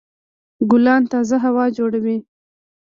ګلان تازه هوا جوړوي.